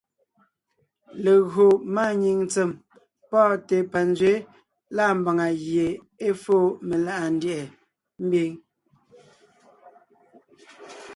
Légÿo máanyìŋ ntsèm pɔ́ɔnte panzwɛ̌ lâ mbàŋa gie é fóo meláʼa ndyɛ̀ʼɛ mbiŋ.